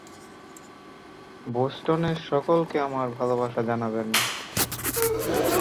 বোষ্টনের সকলকে আমার ভালবাসা জানাবেন।